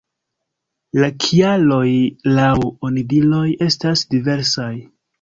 La kialoj laŭ onidiroj estas diversaj.